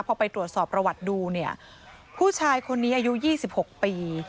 พอไปตรวจสอบประวัติดูเนี่ยผู้ชายคนนี้อายุ๒๖ปี